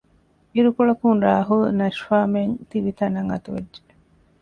އިރުކޮޅަކުން ރާހުލް ނަޝްފާމެން ތިބި ތަނަށް އަތުވެއްޖެ